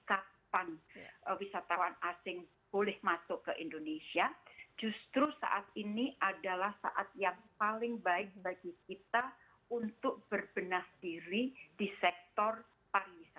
kapan wisatawan asing boleh masuk ke indonesia justru saat ini adalah saat yang paling baik bagi kita untuk berbenah diri di sektor pariwisata